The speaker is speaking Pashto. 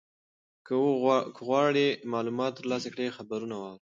که غواړې معلومات ترلاسه کړې خبرونه واوره.